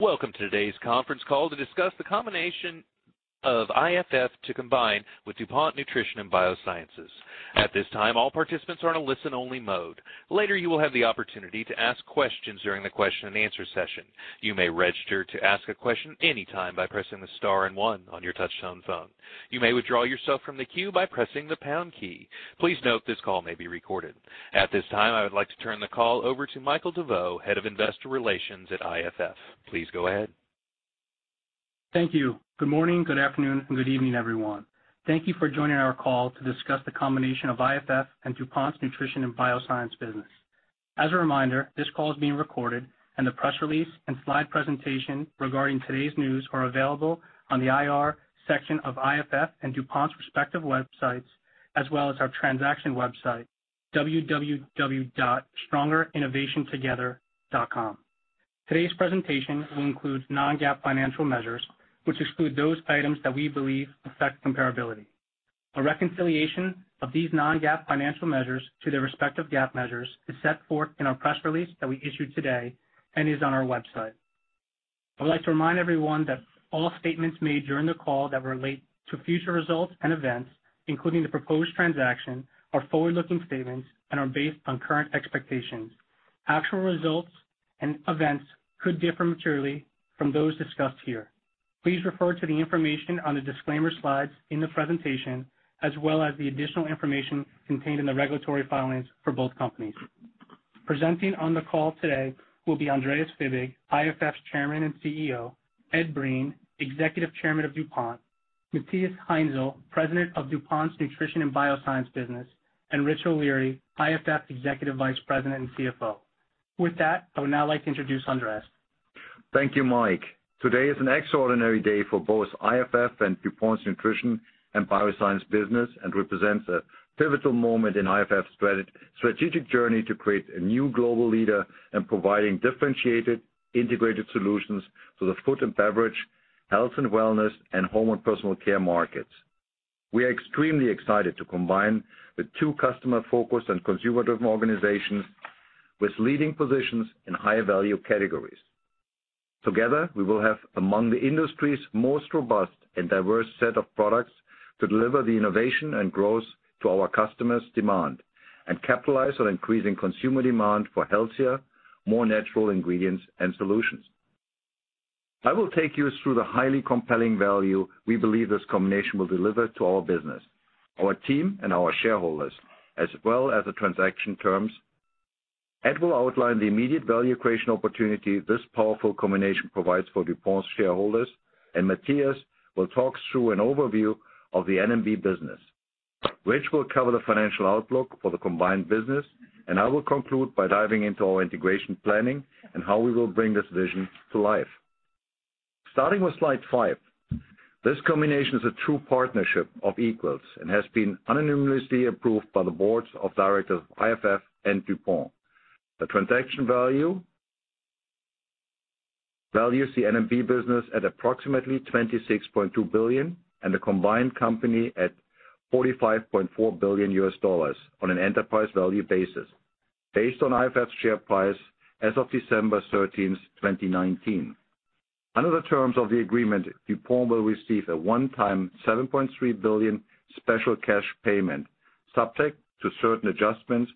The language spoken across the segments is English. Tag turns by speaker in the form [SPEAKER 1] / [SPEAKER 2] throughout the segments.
[SPEAKER 1] Welcome to today's conference call to discuss the combination of IFF to combine with DuPont Nutrition & Biosciences. At this time, all participants are in a listen-only mode. Later, you will have the opportunity to ask questions during the question and answer session. You may register to ask a question anytime by pressing the star and one on your touch-tone phone. You may withdraw yourself from the queue by pressing the pound key. Please note this call may be recorded. At this time, I would like to turn the call over to Michael DeVoe, Head of Investor Relations at IFF. Please go ahead.
[SPEAKER 2] Thank you. Good morning, good afternoon, and good evening, everyone. Thank you for joining our call to discuss the combination of IFF and DuPont's Nutrition & Biosciences business. As a reminder, this call is being recorded, and the press release and slide presentation regarding today's news are available on the IR section of IFF and DuPont's respective websites, as well as our transaction website, strongerinnovationtogether.com. Today's presentation will include non-GAAP financial measures, which exclude those items that we believe affect comparability. A reconciliation of these non-GAAP financial measures to their respective GAAP measures is set forth in our press release that we issued today and is on our website. I would like to remind everyone that all statements made during the call that relate to future results and events, including the proposed transaction, are forward-looking statements and are based on current expectations. Actual results and events could differ materially from those discussed here. Please refer to the information on the disclaimer slides in the presentation, as well as the additional information contained in the regulatory filings for both companies. Presenting on the call today will be Andreas Fibig, IFF's Chairman and CEO, Ed Breen, Executive Chairman of DuPont, Matthias Heinzel, President of DuPont's Nutrition & Biosciences business, and Richard O'Leary, IFF's Executive Vice President and CFO. With that, I would now like to introduce Andreas.
[SPEAKER 3] Thank you, Mike. Today is an extraordinary day for both IFF and DuPont's Nutrition & Biosciences business and represents a pivotal moment in IFF's strategic journey to create a new global leader in providing differentiated, integrated solutions for the food and beverage, health and wellness, and home and personal care markets. We are extremely excited to combine the two customer-focused and consumer-driven organizations with leading positions in high-value categories. Together, we will have among the industry's most robust and diverse set of products to deliver the innovation and growth to our customers' demand and capitalize on increasing consumer demand for healthier, more natural ingredients and solutions. I will take you through the highly compelling value we believe this combination will deliver to our business, our team, and our shareholders, as well as the transaction terms, and will outline the immediate value creation opportunity this powerful combination provides for DuPont shareholders. Matthias will talk through an overview of the N&B business, which will cover the financial outlook for the combined business. I will conclude by diving into our integration planning and how we will bring this vision to life. Starting with slide five. This combination is a true partnership of equals and has been unanimously approved by the boards of directors of IFF and DuPont. The transaction value values the N&B business at approximately $26.2 billion and the combined company at $45.4 billion on an enterprise value basis based on IFF's share price as of December 13, 2019. Under the terms of the agreement, DuPont will receive a one-time $7.3 billion special cash payment, subject to certain adjustments,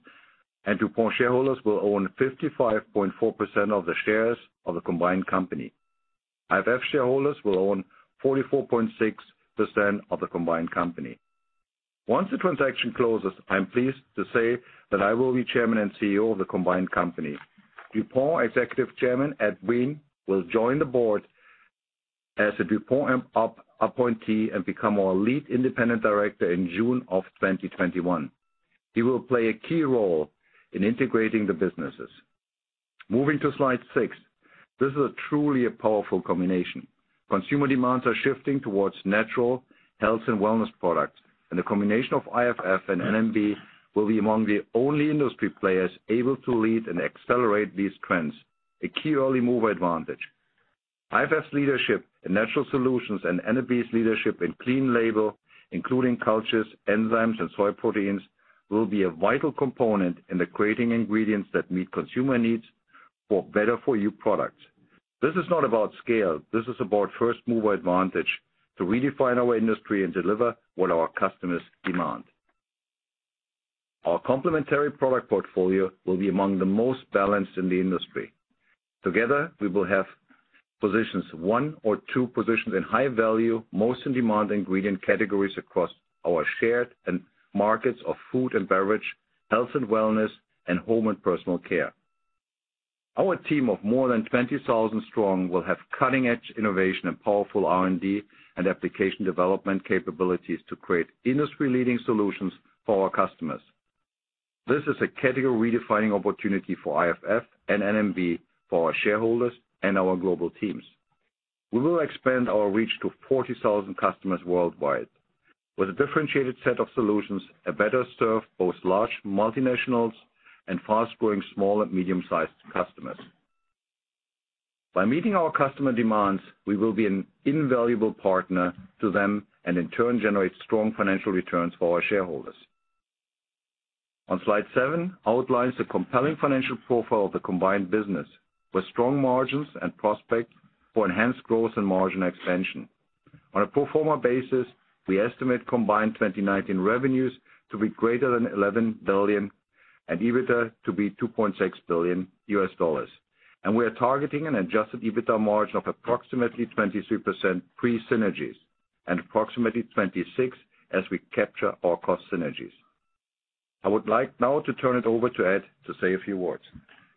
[SPEAKER 3] and DuPont shareholders will own 55.4% of the shares of the combined company. IFF shareholders will own 44.6% of the combined company. Once the transaction closes, I'm pleased to say that I will be Chairman and CEO of the combined company. DuPont Executive Chairman, Ed Breen, will join the board as a DuPont appointee and become our lead independent director in June of 2021. He will play a key role in integrating the businesses. Moving to slide six. This is truly a powerful combination. Consumer demands are shifting towards natural health and wellness products. The combination of IFF and N&B will be among the only industry players able to lead and accelerate these trends, a key early mover advantage. IFF's leadership in natural solutions and N&B's leadership in clean label, including cultures, enzymes, and soy proteins, will be a vital component in the creating ingredients that meet consumer needs for better for you products. This is not about scale. This is about first-mover advantage to redefine our industry and deliver what our customers demand. Our complementary product portfolio will be among the most balanced in the industry. Together, we will have positions one or two positions in high value, most in-demand ingredient categories across our shared end markets of food and beverage, health and wellness, and home and personal care. Our team of more than 20,000 strong will have cutting-edge innovation and powerful R&D and application development capabilities to create industry-leading solutions for our customers. This is a category redefining opportunity for IFF and N&B, for our shareholders, and our global teams. We will expand our reach to 40,000 customers worldwide with a differentiated set of solutions that better serve both large multinationals and fast-growing small and medium-sized customers. By meeting our customer demands, we will be an invaluable partner to them and in turn generate strong financial returns for our shareholders. Slide seven outlines the compelling financial profile of the combined business with strong margins and prospect for enhanced growth and margin expansion. On a pro forma basis, we estimate combined 2019 revenues to be greater than $11 billion and EBITDA to be $2.6 billion. We are targeting an adjusted EBITDA margin of approximately 23% pre-synergies and approximately 26% as we capture our cost synergies. I would like now to turn it over to Ed to say a few words.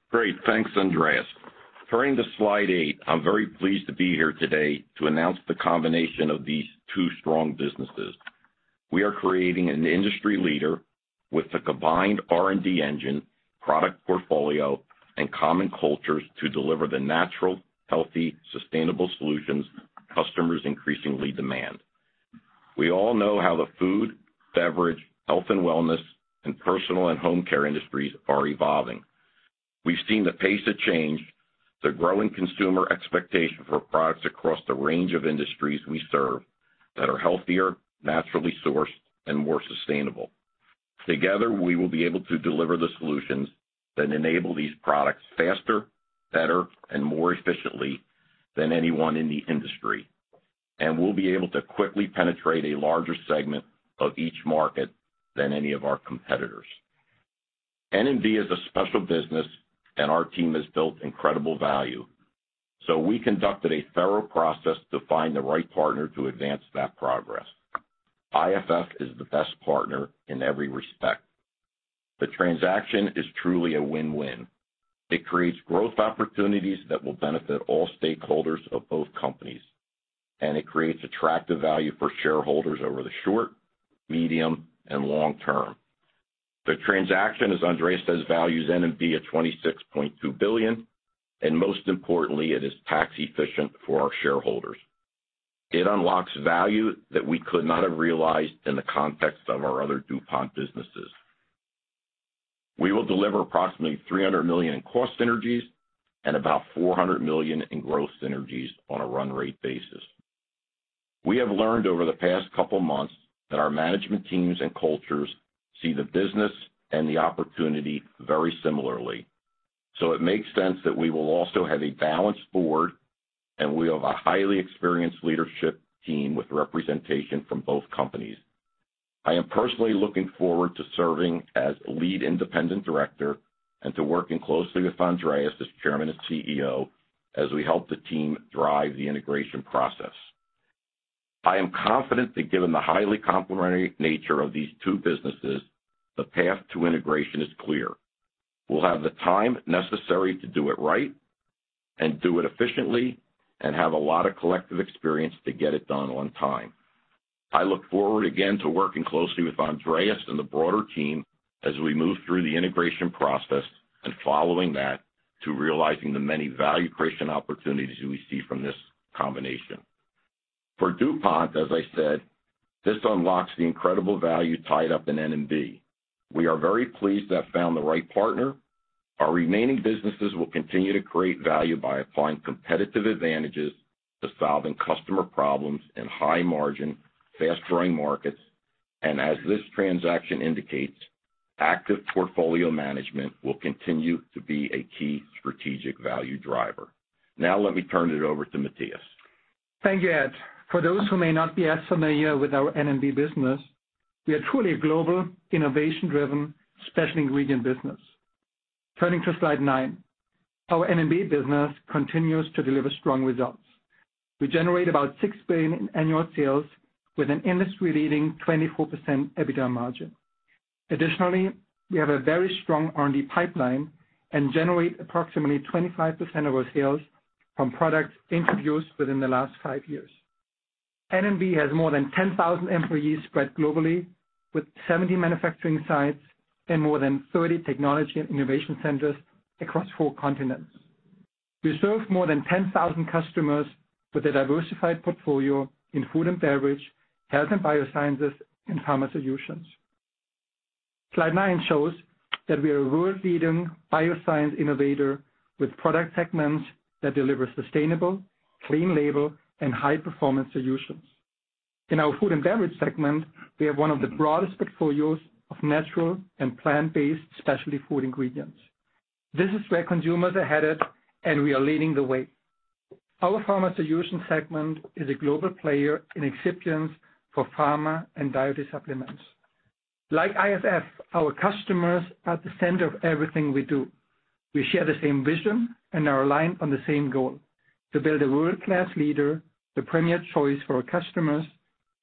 [SPEAKER 4] Great. Thanks, Andreas. Turning to slide eight, I'm very pleased to be here today to announce the combination of these two strong businesses. We are creating an industry leader with the combined R&D engine, product portfolio, and common cultures to deliver the natural, healthy, sustainable solutions customers increasingly demand. We all know how the food, beverage, health and wellness, and personal and home care industries are evolving. We've seen the pace of change, the growing consumer expectation for products across the range of industries we serve that are healthier, naturally sourced, and more sustainable. Together, we will be able to deliver the solutions that enable these products faster, better, and more efficiently than anyone in the industry. We'll be able to quickly penetrate a larger segment of each market than any of our competitors. N&B is a special business and our team has built incredible value. We conducted a thorough process to find the right partner to advance that progress. IFF is the best partner in every respect. The transaction is truly a win-win. It creates growth opportunities that will benefit all stakeholders of both companies, and it creates attractive value for shareholders over the short, medium, and long term. The transaction, as Andreas says, values N&B at $26.2 billion, and most importantly, it is tax efficient for our shareholders. It unlocks value that we could not have realized in the context of our other DuPont businesses. We will deliver approximately $300 million in cost synergies and about $400 million in growth synergies on a run rate basis. We have learned over the past couple of months that our management teams and cultures see the business and the opportunity very similarly. It makes sense that we will also have a balanced board, and we have a highly experienced leadership team with representation from both companies. I am personally looking forward to serving as lead independent Director and to working closely with Andreas as Chairman and CEO as we help the team drive the integration process. I am confident that given the highly complementary nature of these two businesses, the path to integration is clear. We'll have the time necessary to do it right and do it efficiently and have a lot of collective experience to get it done on time. I look forward again to working closely with Andreas and the broader team as we move through the integration process and following that, to realizing the many value creation opportunities we see from this combination. For DuPont, as I said, this unlocks the incredible value tied up in N&B. We are very pleased to have found the right partner. Our remaining businesses will continue to create value by applying competitive advantages to solving customer problems in high margin, fast-growing markets. As this transaction indicates, active portfolio management will continue to be a key strategic value driver. Now let me turn it over to Matthias.
[SPEAKER 5] Thank you, Ed. For those who may not be as familiar with our N&B business, we are truly a global, innovation-driven, special ingredient business. Turning to slide nine, our N&B business continues to deliver strong results. We generate about $6 billion in annual sales with an industry-leading 24% EBITDA margin. Additionally, we have a very strong R&D pipeline and generate approximately 25% of our sales from products introduced within the last five years. N&B has more than 10,000 employees spread globally with 70 manufacturing sites and more than 30 technology and innovation centers across four continents. We serve more than 10,000 customers with a diversified portfolio in food and beverage, health and biosciences, and pharma solutions. Slide nine shows that we are a world-leading bioscience innovator with product segments that deliver sustainable, clean label, and high-performance solutions. In our food and beverage segment, we have one of the broadest portfolios of natural and plant-based specialty food ingredients. This is where consumers are headed, and we are leading the way. Our pharma solutions segment is a global player in excipients for pharma and dietary supplements. Like IFF, our customers are at the center of everything we do. We share the same vision and are aligned on the same goal: to build a world-class leader, the premier choice for our customers,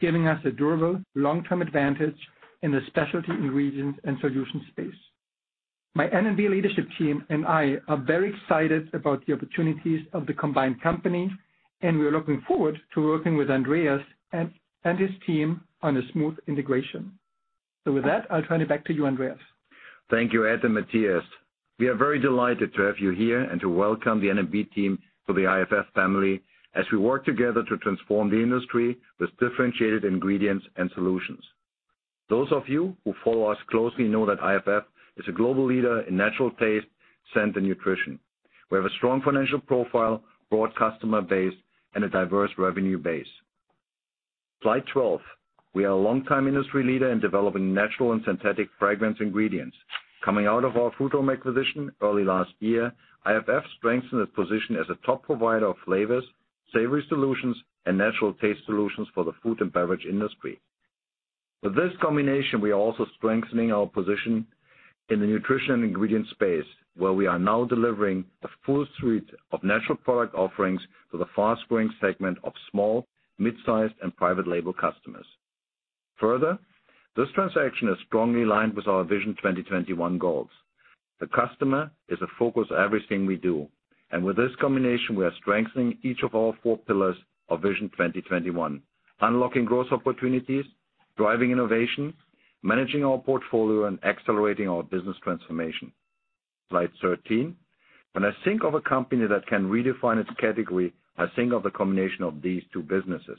[SPEAKER 5] giving us a durable long-term advantage in the specialty ingredients and solutions space. My N&B leadership team and I are very excited about the opportunities of the combined company, and we are looking forward to working with Andreas and his team on a smooth integration. With that, I'll turn it back to you, Andreas.
[SPEAKER 3] Thank you, Ed and Matthias. We are very delighted to have you here and to welcome the N&B team to the IFF family as we work together to transform the industry with differentiated ingredients and solutions. Those of you who follow us closely know that IFF is a global leader in natural taste, scent, and nutrition. We have a strong financial profile, broad customer base, and a diverse revenue base. Slide 12. We are a longtime industry leader in developing natural and synthetic fragrance ingredients. Coming out of our Frutarom acquisition early last year, IFF strengthened its position as a top provider of flavors, savory solutions, and natural taste solutions for the food and beverage industry. With this combination, we are also strengthening our position in the nutrition ingredient space, where we are now delivering a full suite of natural product offerings to the fast-growing segment of small, mid-sized, and private label customers. This transaction is strongly aligned with our Vision 2021 goals. The customer is the focus of everything we do. With this combination, we are strengthening each of our four pillars of Vision 2021, unlocking growth opportunities, driving innovation, managing our portfolio, and accelerating our business transformation. Slide 13. When I think of a company that can redefine its category, I think of the combination of these two businesses.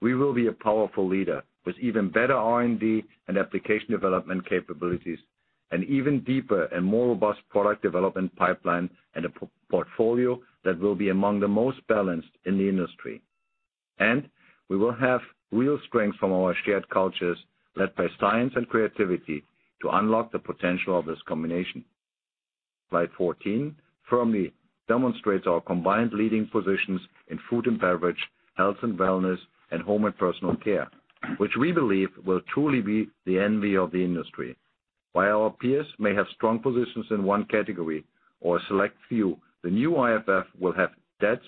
[SPEAKER 3] We will be a powerful leader with even better R&D and application development capabilities, an even deeper and more robust product development pipeline, and a portfolio that will be among the most balanced in the industry. We will have real strength from our shared cultures, led by science and creativity, to unlock the potential of this combination. Slide 14 firmly demonstrates our combined leading positions in food and beverage, health and wellness, and home and personal care, which we believe will truly be the envy of the industry. While our peers may have strong positions in one category or a select few, the new IFF will have depth,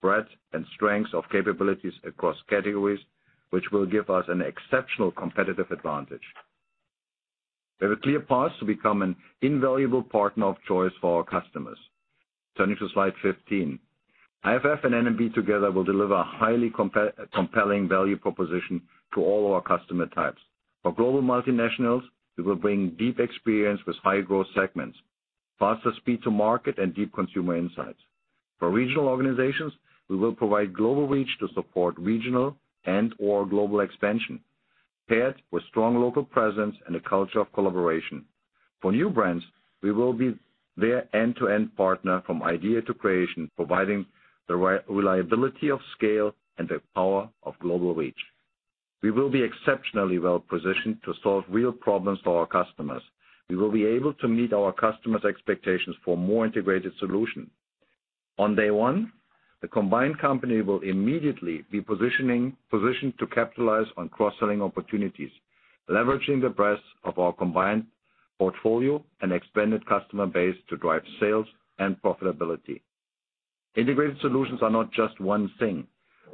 [SPEAKER 3] breadth, and strength of capabilities across categories, which will give us an exceptional competitive advantage. We have a clear path to become an invaluable partner of choice for our customers. Turning to slide 15. IFF and N&B together will deliver a highly compelling value proposition to all our customer types. For global multinationals, we will bring deep experience with high-growth segments, faster speed to market, and deep consumer insights. For regional organizations, we will provide global reach to support regional and/or global expansion, paired with strong local presence and a culture of collaboration. For new brands, we will be their end-to-end partner from idea to creation, providing the reliability of scale and the power of global reach. We will be exceptionally well positioned to solve real problems for our customers. We will be able to meet our customers' expectations for more integrated solutions. On day one, the combined company will immediately be positioned to capitalize on cross-selling opportunities, leveraging the breadth of our combined portfolio and expanded customer base to drive sales and profitability. Integrated solutions are not just one thing.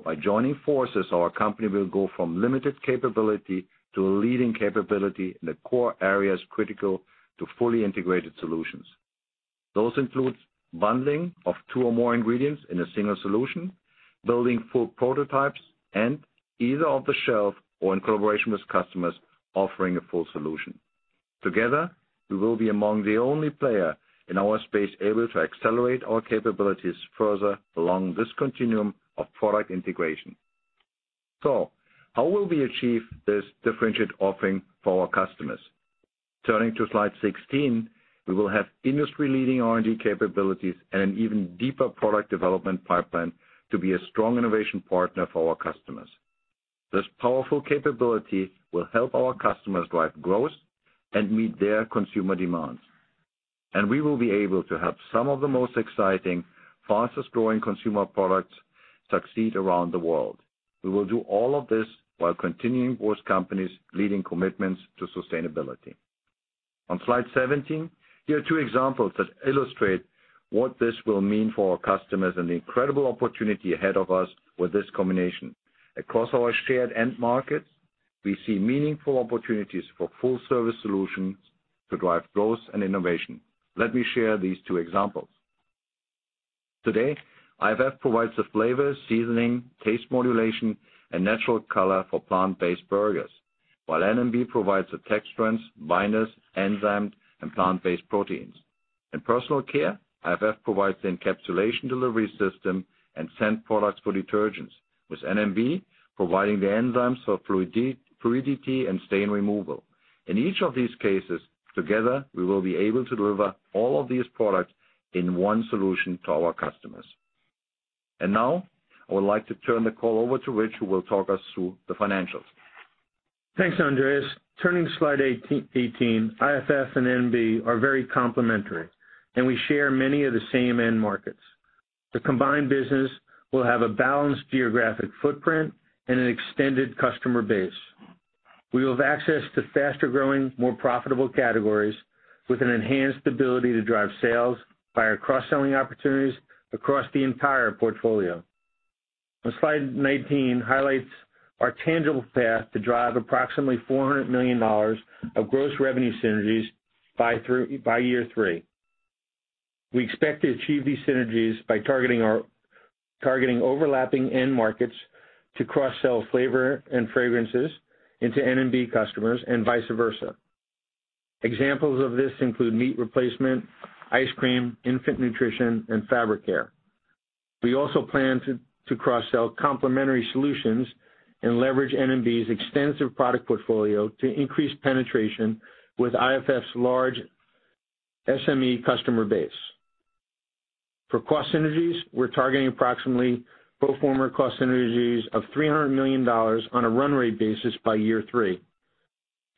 [SPEAKER 3] By joining forces, our company will go from limited capability to a leading capability in the core areas critical to fully integrated solutions. Those include bundling of two or more ingredients in a single solution, building full prototypes, and either off the shelf or in collaboration with customers, offering a full solution. Together, we will be among the only player in our space able to accelerate our capabilities further along this continuum of product integration. How will we achieve this differentiated offering for our customers? Turning to slide 16. We will have industry-leading R&D capabilities and an even deeper product development pipeline to be a strong innovation partner for our customers. This powerful capability will help our customers drive growth and meet their consumer demands. We will be able to have some of the most exciting, fastest-growing consumer products succeed around the world. We will do all of this while continuing both companies' leading commitments to sustainability. On slide 17, here are two examples that illustrate what this will mean for our customers and the incredible opportunity ahead of us with this combination. Across our shared end markets, we see meaningful opportunities for full service solutions to drive growth and innovation. Let me share these two examples. Today, IFF provides the flavor, seasoning, taste modulation, and natural color for plant-based burgers, while N&B provides the texturants, binders, enzymes, and plant-based proteins. In personal care, IFF provides the encapsulation delivery system and scent products for detergents, with N&B providing the enzymes for fluidity and stain removal. In each of these cases, together, we will be able to deliver all of these products in one solution to our customers. Now, I would like to turn the call over to Rich, who will talk us through the financials.
[SPEAKER 6] Thanks, Andreas. Turning to slide 18. IFF and N&B are very complementary, and we share many of the same end markets. The combined business will have a balanced geographic footprint and an extended customer base. We will have access to faster-growing, more profitable categories with an enhanced ability to drive sales by our cross-selling opportunities across the entire portfolio. Slide 19 highlights our tangible path to drive approximately $400 million of gross revenue synergies by year three. We expect to achieve these synergies by targeting overlapping end markets to cross-sell flavor and fragrances into N&B customers and vice versa. Examples of this include meat replacement, ice cream, infant nutrition, and fabric care. We also plan to cross-sell complementary solutions and leverage N&B's extensive product portfolio to increase penetration with IFF's large SME customer base. For cost synergies, we're targeting approximately pro forma cost synergies of $300 million on a run rate basis by year three,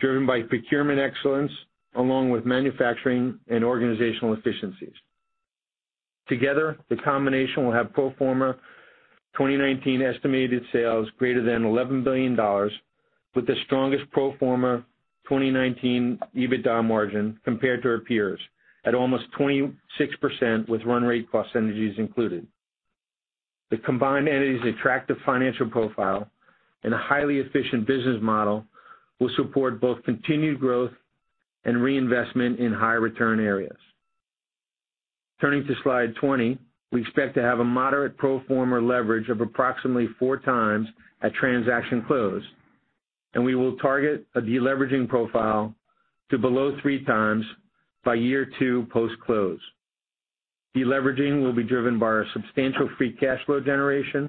[SPEAKER 6] driven by procurement excellence along with manufacturing and organizational efficiencies. Together, the combination will have pro forma 2019 estimated sales greater than $11 billion, with the strongest pro forma 2019 EBITDA margin compared to our peers at almost 26%, with run rate cost synergies included. The combined entity's attractive financial profile and a highly efficient business model will support both continued growth and reinvestment in high return areas. Turning to slide 20. We expect to have a moderate pro forma leverage of approximately 4 times at transaction close, and we will target a deleveraging profile to below 3 times by year two post-close. Deleveraging will be driven by our substantial free cash flow generation.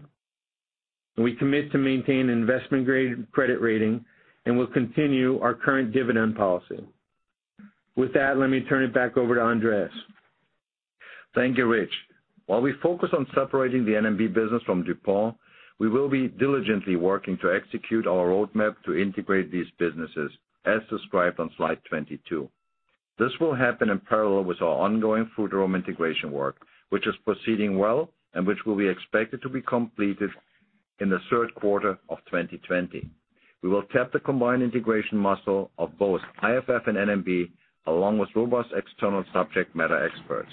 [SPEAKER 6] We commit to maintain investment-grade credit rating, and we'll continue our current dividend policy.
[SPEAKER 4] With that, let me turn it back over to Andreas.
[SPEAKER 3] Thank you, Rich. While we focus on separating the N&B business from DuPont, we will be diligently working to execute our roadmap to integrate these businesses, as described on slide 22. This will happen in parallel with our ongoing Frutarom integration work, which is proceeding well and which will be expected to be completed in the third quarter of 2020. We will tap the combined integration muscle of both IFF and N&B, along with robust external subject matter experts.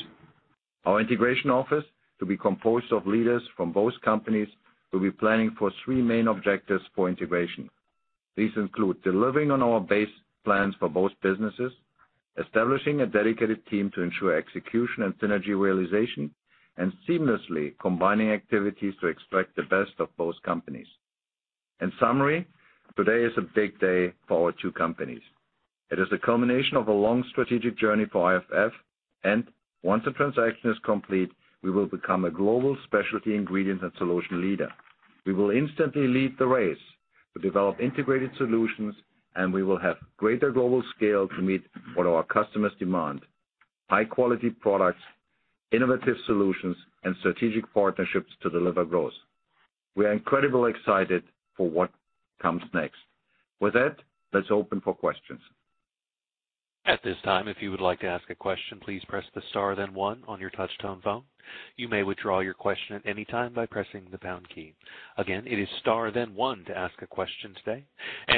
[SPEAKER 3] Our integration office, to be composed of leaders from both companies, will be planning for three main objectives for integration. These include delivering on our base plans for both businesses, establishing a dedicated team to ensure execution and synergy realization, and seamlessly combining activities to extract the best of both companies. In summary, today is a big day for our two companies. It is a culmination of a long strategic journey for IFF, and once the transaction is complete, we will become a global specialty ingredient and solution leader. We will instantly lead the race to develop integrated solutions, and we will have greater global scale to meet what our customers demand: high-quality products, innovative solutions, and strategic partnerships to deliver growth. We are incredibly excited for what comes next. With that, let's open for questions.
[SPEAKER 1] At this time, if you would like to ask a question, please press the star, then one on your touch-tone phone. You may withdraw your question at any time by pressing the pound key. Again, it is star then one to ask a question today.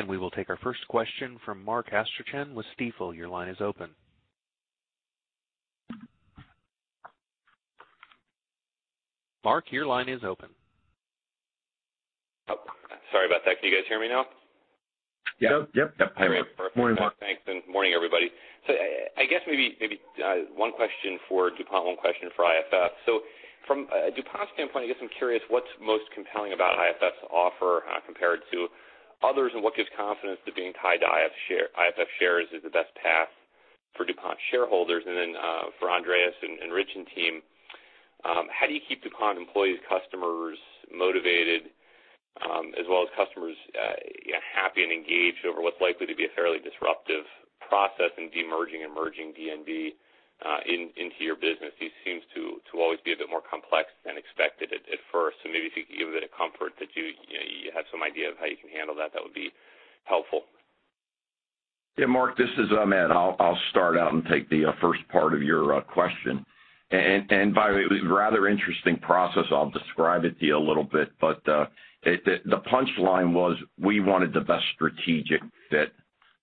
[SPEAKER 1] We will take our first question from Mark Astrachan with Stifel. Your line is open. Mark, your line is open.
[SPEAKER 7] Oh, sorry about that. Can you guys hear me now?
[SPEAKER 3] Yep.
[SPEAKER 1] Yep.
[SPEAKER 3] Hi, Mark. Morning, Mark.
[SPEAKER 7] Thanks, and morning, everybody. I guess maybe one question for DuPont, one question for IFF. From a DuPont standpoint, I guess I'm curious what's most compelling about IFF's offer compared to others, and what gives confidence that being tied to IFF shares is the best path for DuPont shareholders? Then for Andreas and Rich and team, how do you keep DuPont employees, customers motivated, as well as customers happy and engaged over what's likely to be a fairly disruptive process in demerging and merging N&B into your business? These seems to always be a bit more complex than expected at first. Maybe if you could give a bit of comfort that you have some idea of how you can handle that would be helpful.
[SPEAKER 4] Yeah, Mark, this is Ed. I'll start out and take the first part of your question. By the way, rather interesting process, I'll describe it to you a little bit, but the punchline was we wanted the best strategic fit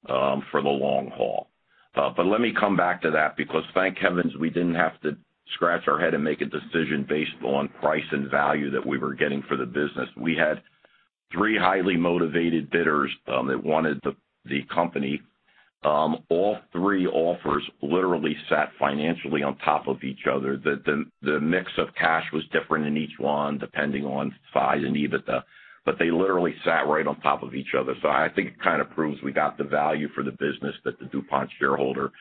[SPEAKER 4] for the long haul. Let me come back to that because thank heavens, we didn't have to scratch our head and make a decision based on price and value that we were getting for the business. We had three highly motivated bidders that wanted the company. All three offers literally sat financially on top of each other. The mix of cash was different in each one, depending on size and EBITDA, but they literally sat right on top of each other. I think it kind of proves we got the value for the business that the DuPont shareholder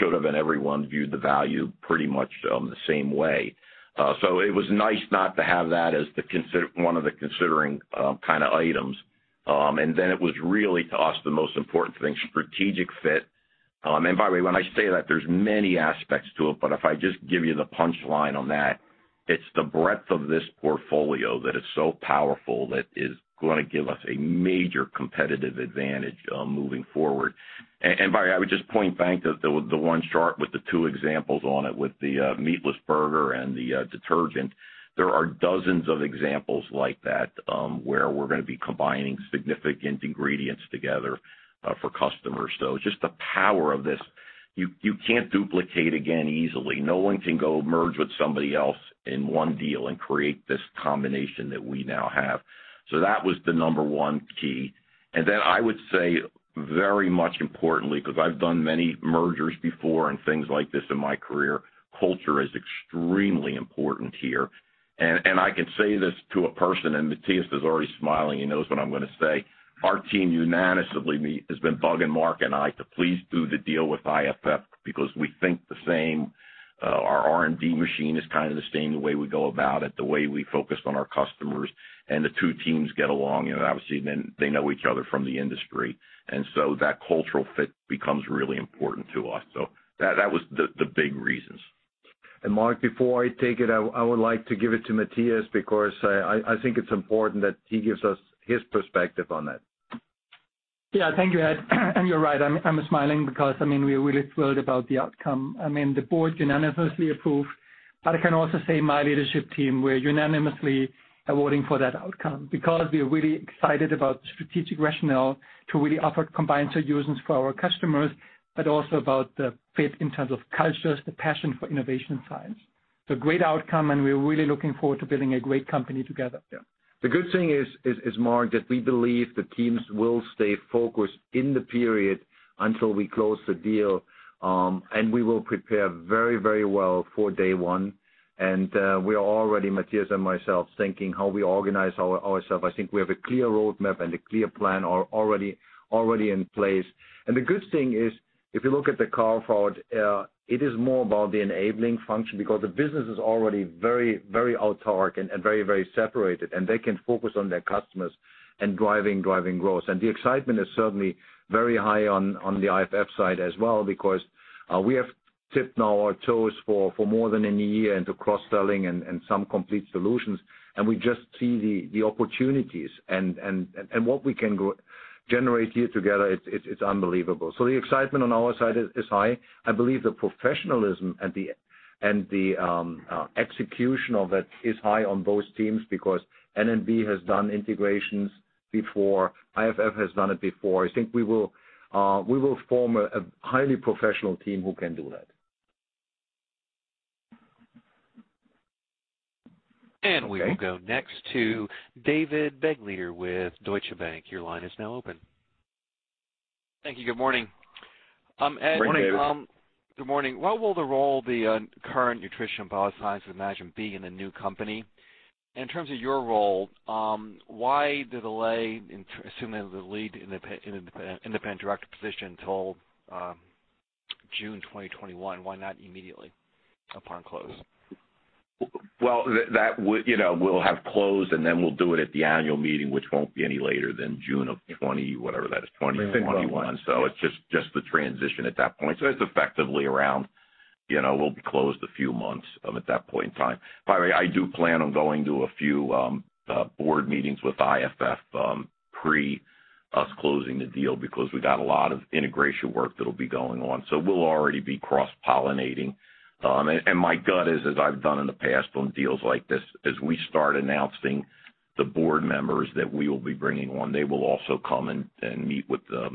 [SPEAKER 4] should have, and everyone viewed the value pretty much the same way. It was nice not to have that as one of the considering kind of items. Then it was really, to us, the most important thing, strategic fit. By the way, when I say that, there's many aspects to it, but if I just give you the punchline on that, it's the breadth of this portfolio that is so powerful that is going to give us a major competitive advantage moving forward. By the way, I would just point back to the one chart with the two examples on it with the meatless burger and the detergent. There are dozens of examples like that, where we're going to be combining significant ingredients together for customers. Just the power of this, you can't duplicate again easily. No one can go merge with somebody else in one deal and create this combination that we now have. That was the number one key. I would say very much importantly, because I've done many mergers before and things like this in my career, culture is extremely important here. I can say this to a person, and Matthias is already smiling, he knows what I'm going to say. Our team unanimously has been bugging Mark and I to please do the deal with IFF because we think the same. Our R&D machine is kind of the same, the way we go about it, the way we focus on our customers, and the two teams get along. Obviously, they know each other from the industry, that cultural fit becomes really important to us. That was the big reasons. Mark, before I take it, I would like to give it to Matthias because I think it's important that he gives us his perspective on that.
[SPEAKER 5] Yeah, thank you, Ed. You're right, I'm smiling because we are really thrilled about the outcome. The board unanimously approved, but I can also say my leadership team, we're unanimously awarding for that outcome because we are really excited about the strategic rationale to really offer combined solutions for our customers, but also about the fit in terms of cultures, the passion for innovation and science. Great outcome, and we're really looking forward to building a great company together.
[SPEAKER 3] Yeah. The good thing is, Mark, that we believe the teams will stay focused in the period until we close the deal, and we will prepare very well for day one. We are already, Matthias and myself, thinking how we organize ourself. I think we have a clear roadmap and a clear plan already in place. The good thing is, if you look at the carve-forward, it is more about the enabling function because the business is already very autarkic and very separated, and they can focus on their customers and driving growth. The excitement is certainly very high on the IFF side as well because, we have tipped now our toes for more than a year into cross-selling and some complete solutions, and we just see the opportunities and what we can generate here together, it's unbelievable. The excitement on our side is high. I believe the professionalism and the execution of it is high on both teams because N&B has done integrations before. IFF has done it before. I think we will form a highly professional team who can do that.
[SPEAKER 1] We will go next to David Begleiter with Deutsche Bank. Your line is now open.
[SPEAKER 8] Thank you. Good morning.
[SPEAKER 4] Morning, David.
[SPEAKER 8] Good morning. What will the role be on current Nutrition & Biosciences with IFF be in the new company? In terms of your role, why the delay in assuming the lead in independent director position till June 2021? Why not immediately upon close?
[SPEAKER 4] Well, we'll have closed, then we'll do it at the annual meeting, which won't be any later than June of '20, whatever that is, 2021. It's just the transition at that point. It's effectively around, we'll be closed a few months at that point in time. By the way, I do plan on going to a few board meetings with IFF pre us closing the deal because we got a lot of integration work that'll be going on. We'll already be cross-pollinating. My gut is, as I've done in the past on deals like this, as we start announcing the board members that we will be bringing on, they will also come and meet with the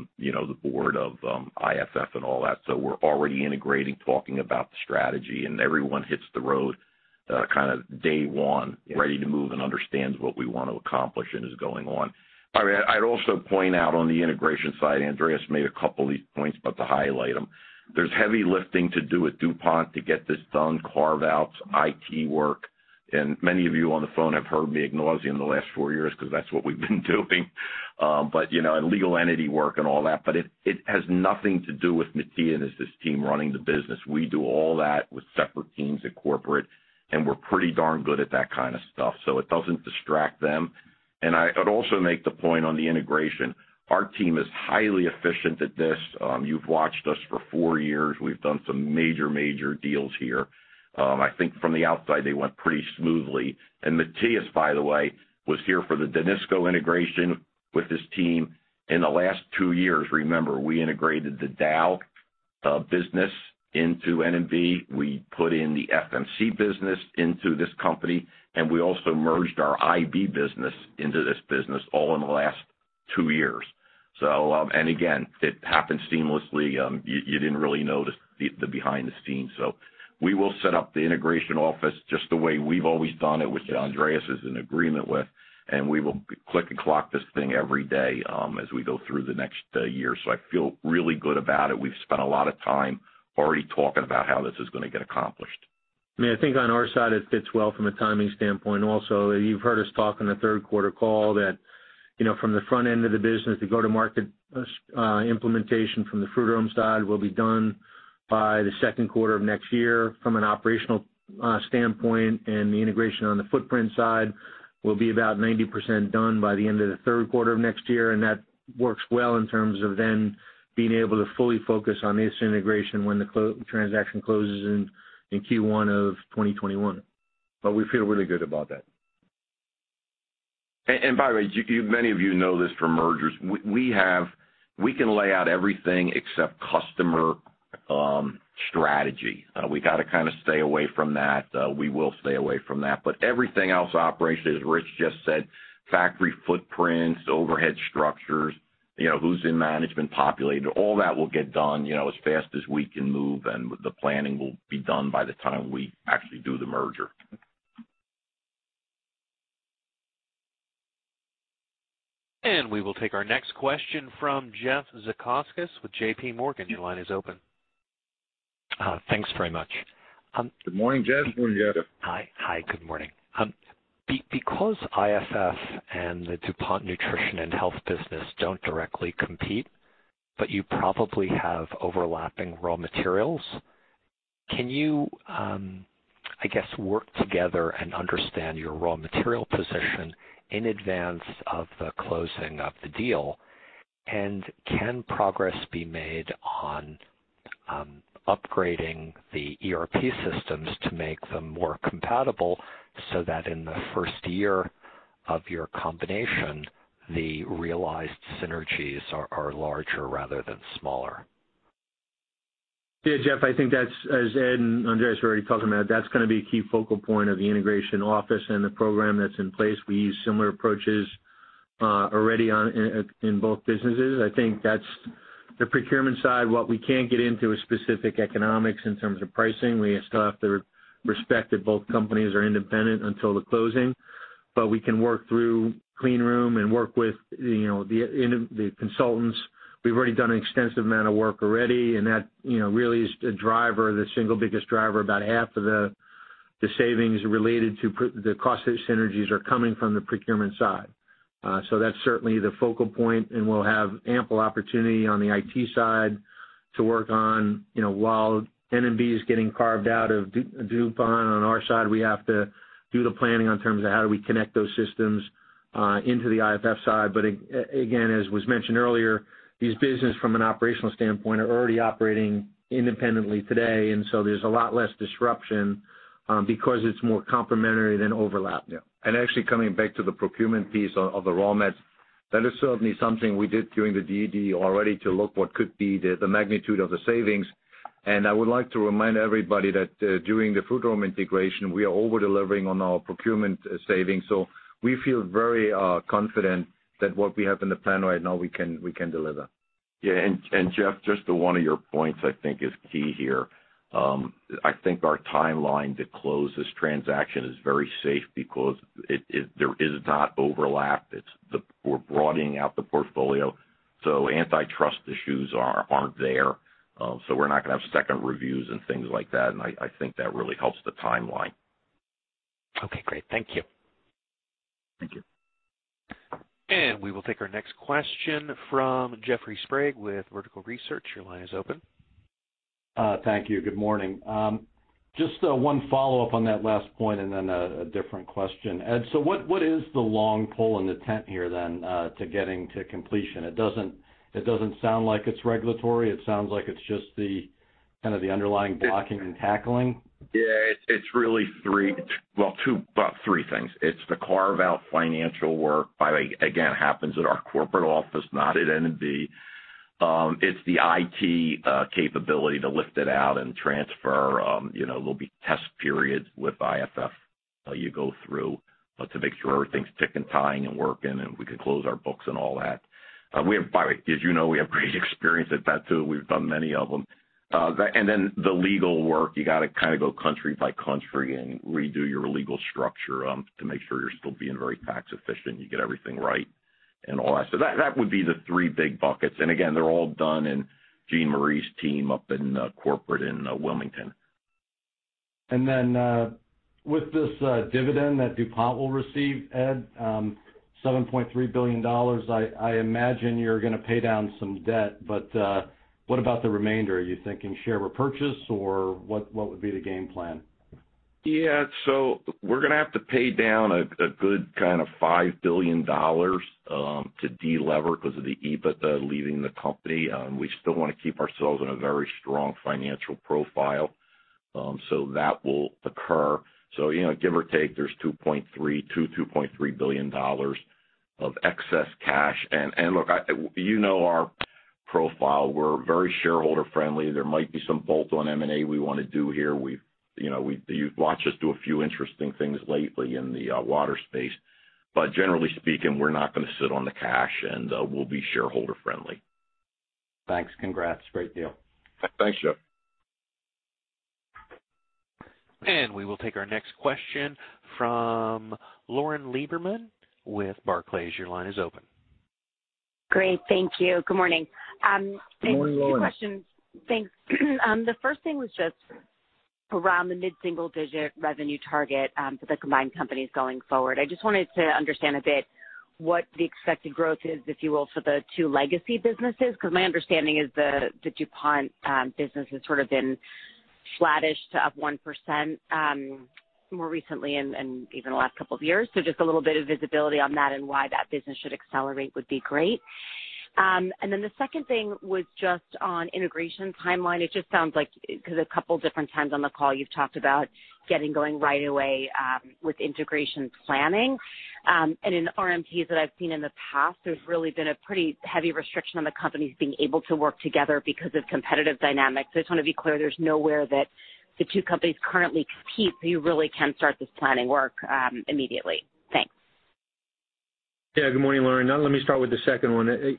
[SPEAKER 4] board of IFF and all that. We're already integrating, talking about the strategy, and everyone hits the road kind of day one, ready to move and understands what we want to accomplish and is going on. By the way, I'd also point out on the integration side, Andreas made a couple of these points, but to highlight them, there's heavy lifting to do with DuPont to get this done, carve-outs, IT work. Many of you on the phone have heard me ignore it in the last four years because that's what we've been doing. Legal entity work and all that, but it has nothing to do with Matthias' team running the business. We do all that with separate teams at corporate, and we're pretty darn good at that kind of stuff, so it doesn't distract them. I'd also make the point on the integration. Our team is highly efficient at this. You've watched us for four years. We've done some major deals here. I think from the outside, they went pretty smoothly. Matthias, by the way, was here for the Danisco integration with his team. In the last two years, remember, we integrated the Dow business into N&B. We put in the FMC business into this company, and we also merged our I&B business into this business all in the last two years. Again, it happened seamlessly. You didn't really notice the behind-the-scenes. We will set up the integration office just the way we've always done it, which Andreas is in agreement with, and we will click and clock this thing every day as we go through the next year. I feel really good about it. We've spent a lot of time already talking about how this is going to get accomplished.
[SPEAKER 6] I think on our side, it fits well from a timing standpoint also. You've heard us talk on the third quarter call that from the front end of the business, the go-to-market implementation from the Frutarom side will be done by the second quarter of next year from an operational standpoint, and the integration on the footprint side will be about 90% done by the end of the third quarter of next year. That works well in terms of then being able to fully focus on this integration when the transaction closes in Q1 of 2021. We feel really good about that.
[SPEAKER 4] By the way, many of you know this from mergers. We can lay out everything except customer strategy. We got to kind of stay away from that. We will stay away from that. Everything else operationally, as Rich just said, factory footprints, overhead structures, who's in management populated, all that will get done as fast as we can move, and the planning will be done by the time we actually do the merger.
[SPEAKER 1] We will take our next question from Jeff Zekauskas with JPMorgan. Your line is open.
[SPEAKER 9] Thanks very much.
[SPEAKER 4] Good morning, Jeff.
[SPEAKER 6] Morning, Jeff.
[SPEAKER 9] Hi. Good morning. IFF and the DuPont Nutrition & Biosciences business don't directly compete, but you probably have overlapping raw materials, can you, I guess, work together and understand your raw material position in advance of the closing of the deal? Can progress be made on upgrading the ERP systems to make them more compatible so that in the first year of your combination, the realized synergies are larger rather than smaller?
[SPEAKER 6] Jeff, I think that's, as Ed and Andreas were already talking about, that's going to be a key focal point of the integration office and the program that's in place. We use similar approaches already in both businesses. I think that's the procurement side. What we can't get into is specific economics in terms of pricing. We still have to respect that both companies are independent until the closing. We can work through clean room and work with the consultants. We've already done an extensive amount of work already, and that really is the driver, the single biggest driver. About half of the savings related to the cost synergies are coming from the procurement side. That's certainly the focal point, and we'll have ample opportunity on the IT side to work on while N&B is getting carved out of DuPont. On our side, we have to do the planning in terms of how do we connect those systems into the IFF side. Again, as was mentioned earlier, these businesses from an operational standpoint are already operating independently today, and so there's a lot less disruption because it's more complementary than overlap.
[SPEAKER 3] Yeah. Actually coming back to the procurement piece of the raw mats, that is certainly something we did during the DD already to look what could be the magnitude of the savings. I would like to remind everybody that during the Frutarom integration, we are over-delivering on our procurement savings. We feel very confident that what we have in the plan right now, we can deliver.
[SPEAKER 4] Yeah. Jeff, just to one of your points I think is key here. I think our timeline to close this transaction is very safe because there is not overlap. We're broadening out the portfolio. Antitrust issues aren't there. We're not going to have second reviews and things like that. I think that really helps the timeline.
[SPEAKER 9] Okay, great. Thank you.
[SPEAKER 4] Thank you.
[SPEAKER 1] We will take our next question from Jeffrey Sprague with Vertical Research. Your line is open.
[SPEAKER 10] Thank you. Good morning. Just one follow-up on that last point and then a different question. Ed, what is the long pole in the tent here then to getting to completion? It doesn't sound like it's regulatory. It sounds like it's just the underlying blocking and tackling.
[SPEAKER 4] Yeah, it's really three things. It's the carve-out financial work. By the way, again, happens at our corporate office, not at N&B. It's the IT capability to lift it out and transfer. There'll be test periods with IFF you go through to make sure everything's tick and tying and working, and we can close our books and all that. By the way, as you know, we have great experience at that, too. We've done many of them. The legal work, you got to kind of go country by country and redo your legal structure to make sure you're still being very tax efficient. You get everything right and all that. That would be the three big buckets. Again, they're all done in Jean-Marie's team up in corporate in Wilmington.
[SPEAKER 10] With this dividend that DuPont will receive, Ed, $7.3 billion, I imagine you're going to pay down some debt, but what about the remainder? Are you thinking share repurchase or what would be the game plan?
[SPEAKER 4] Yeah. We are going to have to pay down a good kind of $5 billion to delever because of the EBITDA leaving the company. We still want to keep ourselves in a very strong financial profile. That will occur. Give or take, there is $2.3 billion of excess cash. Look, you know our profile. We are very shareholder friendly. There might be some bolt on M&A we want to do here. You have watched us do a few interesting things lately in the water space. Generally speaking, we are not going to sit on the cash, and we will be shareholder friendly.
[SPEAKER 10] Thanks. Congrats. Great deal.
[SPEAKER 4] Thanks, Jeff.
[SPEAKER 1] We will take our next question from Lauren Lieberman with Barclays. Your line is open.
[SPEAKER 11] Great, thank you. Good morning.
[SPEAKER 4] Good morning, Lauren.
[SPEAKER 11] Two questions. Thanks. The first thing was just around the mid-single-digit revenue target for the combined companies going forward. I just wanted to understand a bit what the expected growth is, if you will, for the two legacy businesses, because my understanding is the DuPont business has sort of been flattish to up 1% more recently and even the last couple of years. Just a little bit of visibility on that and why that business should accelerate would be great. The second thing was just on integration timeline. It just sounds like, because a couple different times on the call you've talked about getting going right away with integration planning. In RMTs that I've seen in the past, there's really been a pretty heavy restriction on the companies being able to work together because of competitive dynamics. I just want to be clear, there's nowhere that the two companies currently compete, so you really can start this planning work immediately. Thanks.
[SPEAKER 6] Yeah. Good morning, Lauren. Let me start with the second one.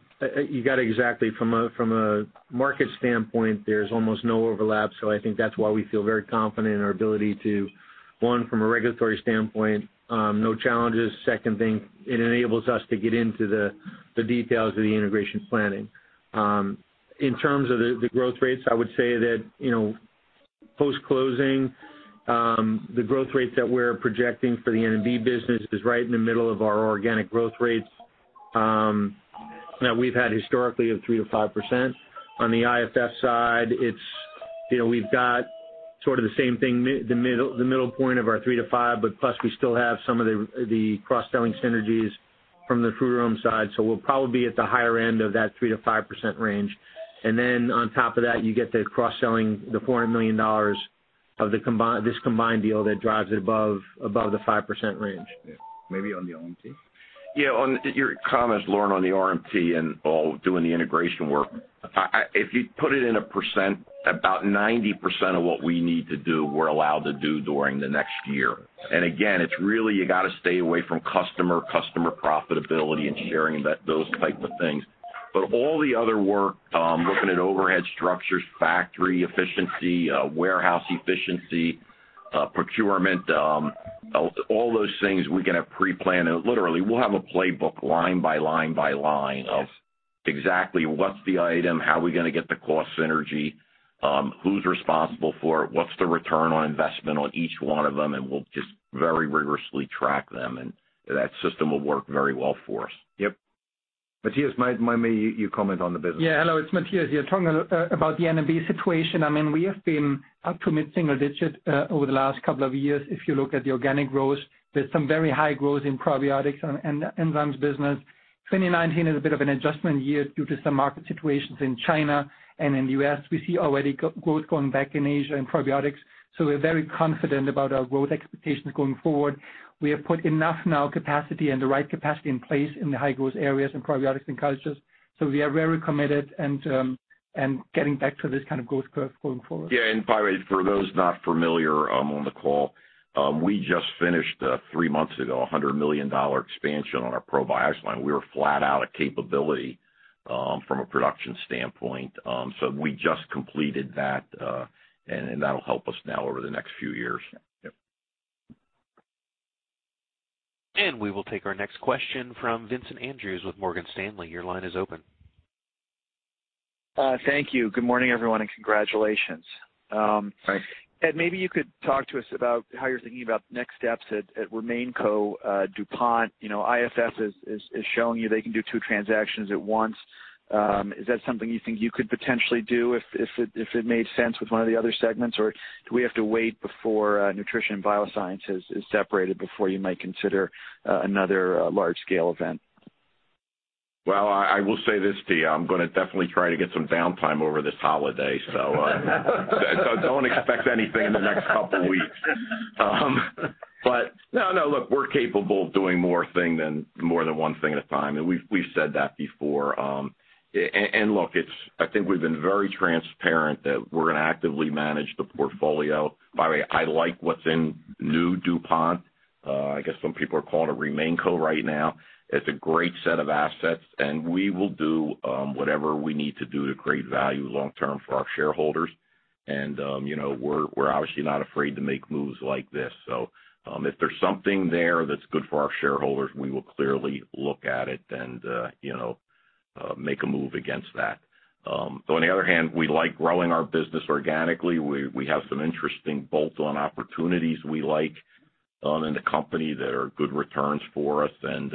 [SPEAKER 6] You got it exactly. From a market standpoint, there's almost no overlap, so I think that's why we feel very confident in our ability to, one, from a regulatory standpoint, no challenges. Second thing, it enables us to get into the details of the integration planning. In terms of the growth rates, I would say that post-closing, the growth rates that we're projecting for the N&B business is right in the middle of our organic growth rates. That we've had historically of 3%-5%. On the IFF side, we've got sort of the same thing, the middle point of our 3%-5%, but plus we still have some of the cross-selling synergies from the Frutarom side. We'll probably be at the higher end of that 3%-5% range. On top of that, you get the cross-selling, the $400 million of this combined deal that drives it above the 5% range.
[SPEAKER 3] Yeah. Maybe on the RMT?
[SPEAKER 4] Yeah. On your comments, Lori, on the RMT and all doing the integration work, if you put it in a percent, about 90% of what we need to do, we're allowed to do during the next year. Again, it's really you got to stay away from customer profitability and sharing those type of things. All the other work, looking at overhead structures, factory efficiency, warehouse efficiency, procurement, all those things we're going to pre-plan. Literally, we'll have a playbook line by line by line of exactly what's the item, how are we going to get the cost synergy, who's responsible for it, what's the return on investment on each one of them, and we'll just very rigorously track them, and that system will work very well for us.
[SPEAKER 3] Yep. Matthias, maybe you comment on the business.
[SPEAKER 5] Hello, it's Matthias here. Talking about the N&B situation, we have been up to mid-single digit over the last couple of years, if you look at the organic growth. There's some very high growth in probiotics and enzymes business. 2019 is a bit of an adjustment year due to some market situations in China and in the U.S. We see already growth going back in Asia in probiotics. We're very confident about our growth expectations going forward. We have put enough now capacity and the right capacity in place in the high growth areas in probiotics and cultures. We are very committed and getting back to this kind of growth curve going forward.
[SPEAKER 4] Yeah. By the way, for those not familiar on the call, we just finished, three months ago, $100 million expansion on our probiotics line. We were flat out of capability from a production standpoint. We just completed that, and that'll help us now over the next few years.
[SPEAKER 3] Yep.
[SPEAKER 1] We will take our next question from Vincent Andrews with Morgan Stanley. Your line is open.
[SPEAKER 12] Thank you. Good morning, everyone, and congratulations.
[SPEAKER 4] Thanks.
[SPEAKER 12] Ed, maybe you could talk to us about how you're thinking about next steps at RemainCo DuPont. IFF is showing you they can do two transactions at once. Is that something you think you could potentially do if it made sense with one of the other segments, or do we have to wait before Nutrition & Biosciences is separated before you might consider another large scale event?
[SPEAKER 4] Well, I will say this to you. I'm going to definitely try to get some downtime over this holiday, so don't expect anything in the next couple weeks. No, look, we're capable of doing more than one thing at a time, and we've said that before. Look, I think we've been very transparent that we're going to actively manage the portfolio. By the way, I like what's in new DuPont. I guess some people are calling it RemainCo right now. It's a great set of assets, and we will do whatever we need to do to create value long term for our shareholders. We're obviously not afraid to make moves like this. If there's something there that's good for our shareholders, we will clearly look at it and make a move against that. On the other hand, we like growing our business organically. We have some interesting bolt-on opportunities we like in the company that are good returns for us and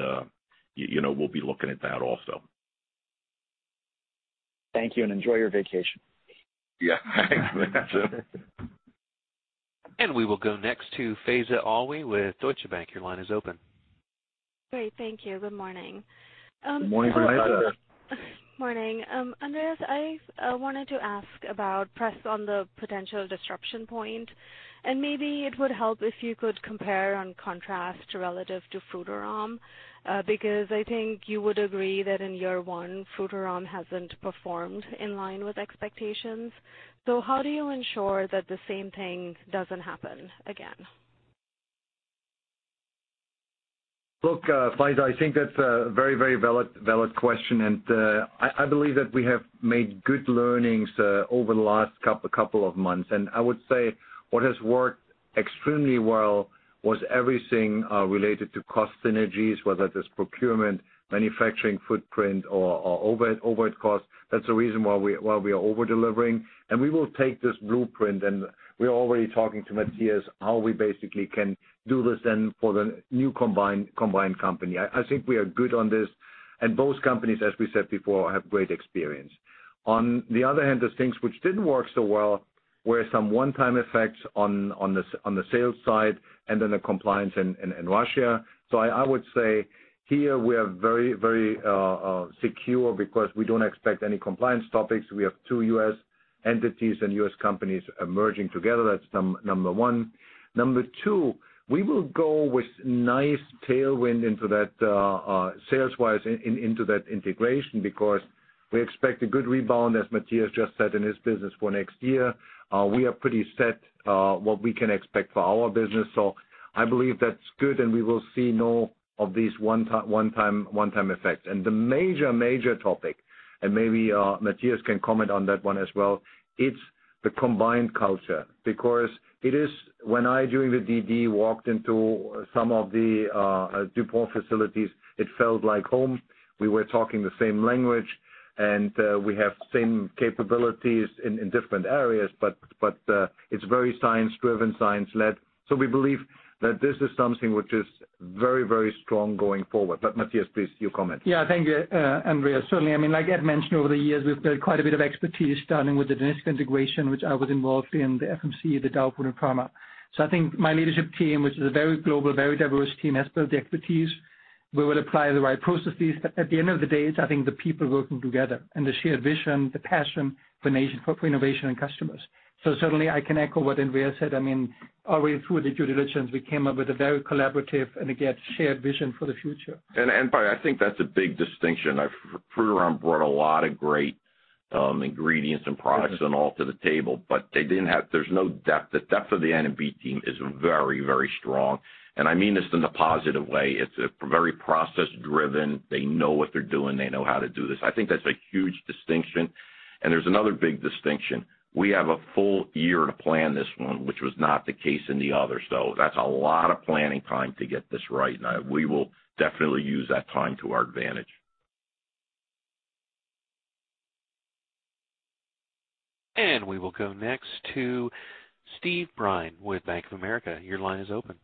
[SPEAKER 4] we'll be looking at that also.
[SPEAKER 12] Thank you, and enjoy your vacation.
[SPEAKER 4] Yeah. Thanks, Vincent.
[SPEAKER 1] We will go next to Faiza Alwy with Deutsche Bank. Your line is open.
[SPEAKER 13] Great, thank you. Good morning.
[SPEAKER 4] Good morning, Faiza.
[SPEAKER 5] Good morning.
[SPEAKER 13] Morning. Andreas, I wanted to press on the potential disruption point. Maybe it would help if you could compare and contrast relative to Frutarom. I think you would agree that in year one, Frutarom hasn't performed in line with expectations. How do you ensure that the same thing doesn't happen again?
[SPEAKER 3] Look, Faiza, I think that's a very valid question, and I believe that we have made good learnings over the last couple of months. I would say what has worked extremely well was everything related to cost synergies, whether that's procurement, manufacturing footprint, or overhead costs. That's the reason why we are over-delivering. We will take this blueprint and we're already talking to Matthias how we basically can do this then for the new combined company. I think we are good on this. Both companies, as we said before, have great experience. On the other hand, there's things which didn't work so well, were some one-time effects on the sales side and then the compliance in Russia. I would say here we are very secure because we don't expect any compliance topics. We have two U.S. entities and U.S. companies merging together. That's number one. Number two, we will go with nice tailwind sales-wise into that integration because we expect a good rebound, as Matthias just said, in his business for next year. We are pretty set what we can expect for our business. I believe that's good and we will see no of these one-time effects. The major topic, and maybe Matthias can comment on that one as well, it's the combined culture. Because when I, during the DD, walked into some of the DuPont facilities, it felt like home. We were talking the same language. We have same capabilities in different areas, but it's very science-driven, science-led. We believe that this is something which is very, very strong going forward. Matthias, please, your comments.
[SPEAKER 5] Thank you, Andreas. Certainly, like Ed mentioned, over the years, we've built quite a bit of expertise starting with the Danisco integration, which I was involved in, the FMC, the DuPont and Pharma. I think my leadership team, which is a very global, very diverse team, has built the expertise. We will apply the right processes. At the end of the day, it's, I think, the people working together and the shared vision, the passion for innovation and customers. Certainly, I can echo what Andreas said. Already through the due diligence, we came up with a very collaborative and again, shared vision for the future.
[SPEAKER 4] By the way, I think that's a big distinction. Frutarom brought a lot of great ingredients and products and all to the table, but there's no depth. The depth of the N&B team is very, very strong, and I mean this in a positive way. It's very process-driven. They know what they're doing. They know how to do this. I think that's a huge distinction, and there's another big distinction. We have a full year to plan this one, which was not the case in the others. That's a lot of planning time to get this right, and we will definitely use that time to our advantage.
[SPEAKER 1] We will go next to Steve Byrne with Bank of America. Your line is open.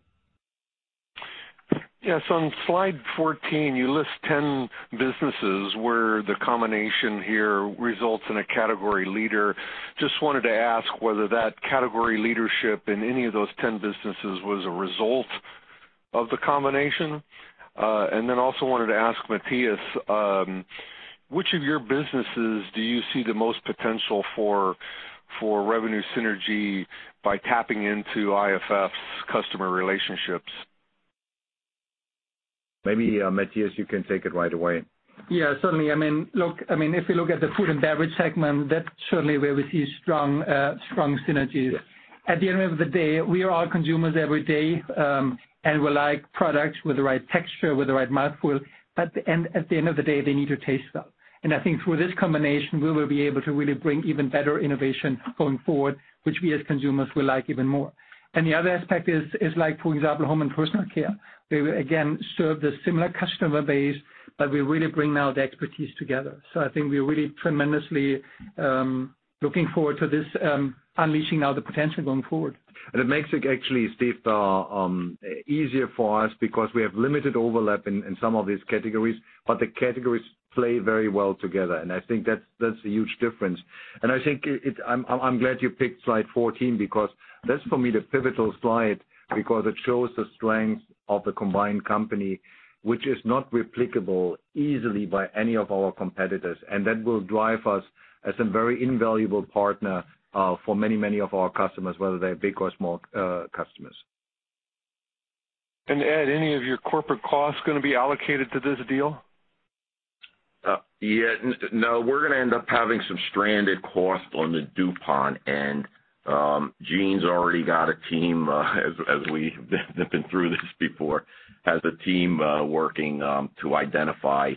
[SPEAKER 14] Yes, on slide 14, you list 10 businesses where the combination here results in a category leader. Just wanted to ask whether that category leadership in any of those 10 businesses was a result of the combination. Also wanted to ask Matthias, which of your businesses do you see the most potential for revenue synergy by tapping into IFF's customer relationships?
[SPEAKER 3] Maybe Matthias, you can take it right away.
[SPEAKER 5] Yeah, certainly. If we look at the food and beverage segment, that's certainly where we see strong synergies. At the end of the day, we are all consumers every day, and we like products with the right texture, with the right mouthfeel, but at the end of the day, they need to taste well. I think through this combination, we will be able to really bring even better innovation going forward, which we, as consumers, will like even more. The other aspect is like, for example, home and personal care. We will again serve the similar customer base, but we really bring now the expertise together. I think we are really tremendously looking forward to this, unleashing now the potential going forward.
[SPEAKER 3] It makes it actually, Steve, easier for us because we have limited overlap in some of these categories, but the categories play very well together, and I think that's a huge difference. I'm glad you picked slide 14 because that's, for me, the pivotal slide because it shows the strength of the combined company, which is not replicable easily by any of our competitors, and that will drive us as a very invaluable partner for many, many of our customers, whether they're big or small customers.
[SPEAKER 14] Ed, any of your corporate costs going to be allocated to this deal?
[SPEAKER 4] No, we're going to end up having some stranded costs on the DuPont end. Jean's already got a team, as we have been through this before, has a team working to identify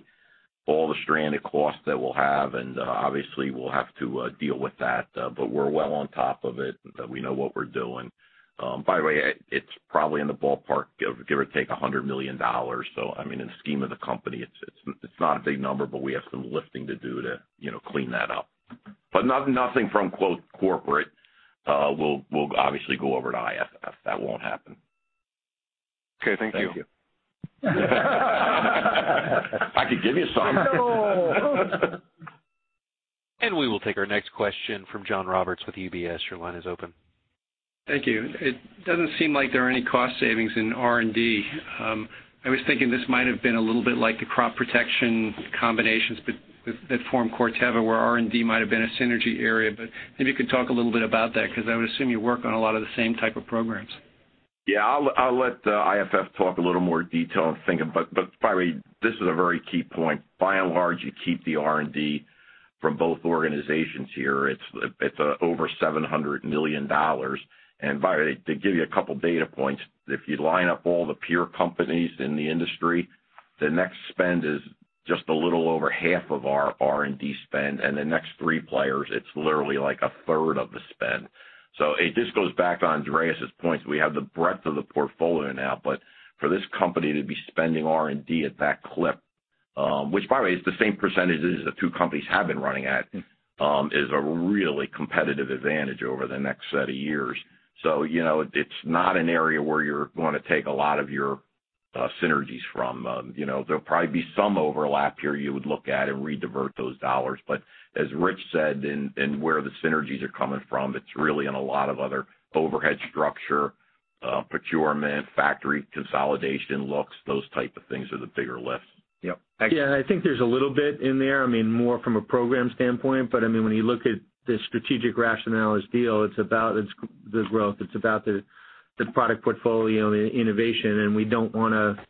[SPEAKER 4] all the stranded costs that we'll have, and obviously, we'll have to deal with that. We're well on top of it. We know what we're doing. By the way, it's probably in the ballpark of give or take $100 million. In the scheme of the company, it's not a big number, but we have some lifting to do to clean that up. Nothing from corporate will obviously go over to IFF. That won't happen.
[SPEAKER 14] Okay, thank you.
[SPEAKER 4] Thank you. I could give you some.
[SPEAKER 5] No!
[SPEAKER 1] We will take our next question from John Roberts with UBS. Your line is open.
[SPEAKER 15] Thank you. It doesn't seem like there are any cost savings in R&D. I was thinking this might have been a little bit like the crop protection combinations that form Corteva, where R&D might have been a synergy area. Maybe you could talk a little bit about that, because I would assume you work on a lot of the same type of programs.
[SPEAKER 4] Yeah, I'll let IFF talk a little more detail on [I'm thinking]. By the way, this is a very key point. By and large, you keep the R&D from both organizations here. It's over $700 million. By the way, to give you a couple data points, if you line up all the peer companies in the industry, the next spend is just a little over half of our R&D spend, and the next three players, it's literally like a third of the spend. It just goes back to Andreas' point, we have the breadth of the portfolio now, but for this company to be spending R&D at that clip, which by the way is the same percentages the two companies have been running at, is a really competitive advantage over the next set of years. It's not an area where you're going to take a lot of your synergies from. There'll probably be some overlap here you would look at and redivert those dollars. As Rich said, and where the synergies are coming from, it's really in a lot of other overhead structure, procurement, factory consolidation looks, those type of things are the bigger lift.
[SPEAKER 3] Yep.
[SPEAKER 6] Yeah, I think there's a little bit in there, more from a program standpoint, but when you look at the strategic rationale of this deal, it's about the growth, it's about the product portfolio and innovation, and we don't want to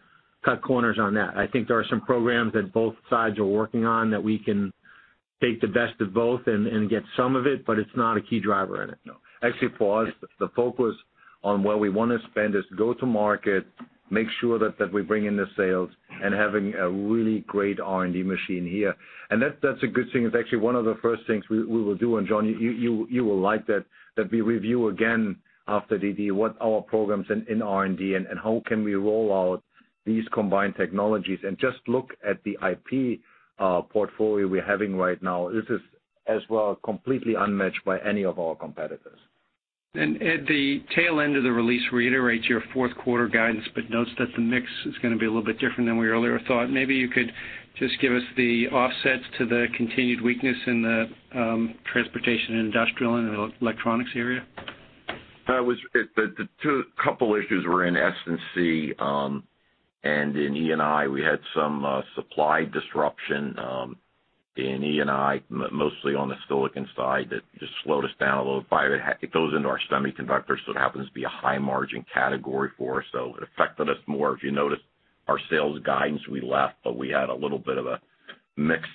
[SPEAKER 6] cut corners on that. I think there are some programs that both sides are working on that we can take the best of both and get some of it, but it's not a key driver in it.
[SPEAKER 3] No. Actually, for us, the focus on where we want to spend is go to market, make sure that we bring in the sales, and having a really great R&D machine here. That's a good thing. It's actually one of the first things we will do. John, you will like that we review again after DD what our programs in R&D and how can we roll out these combined technologies and just look at the IP portfolio we're having right now. This is, as well, completely unmatched by any of our competitors.
[SPEAKER 15] Ed, the tail end of the release reiterates your fourth quarter guidance, but notes that the mix is going to be a little bit different than we earlier thought. Maybe you could just give us the offsets to the continued weakness in the transportation and industrial and the electronics area.
[SPEAKER 4] The couple issues were in S&C and in E&I, we had some supply disruption in E&I, mostly on the silicon side. That just slowed us down a little. It goes into our semiconductors, so it happens to be a high margin category for us, so it affected us more. If you notice our sales guidance, we left, but we had a little bit of a mix